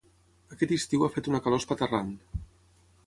Aquest estiu ha fet una calor espaterrant.